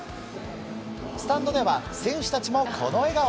スタンドでは選手たちもこの笑顔。